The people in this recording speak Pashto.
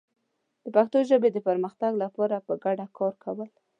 د پښتو ژبې د پرمختګ لپاره په ګډه کار کول